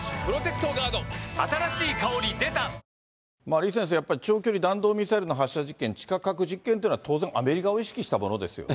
李先生、やっぱり長距離弾道ミサイルの発射実験、地下核実験というのは、当然アメリカを意識したものですよね。